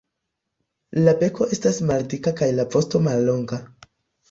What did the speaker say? La beko estas maldika kaj la vosto mallonga.